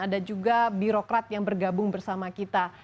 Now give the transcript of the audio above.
ada juga birokrat yang bergabung bersama kita